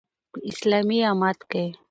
په اسلامي امت کې